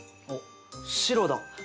あっ白だ！